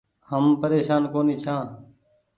هم پريشان ڪونيٚ ڇآن۔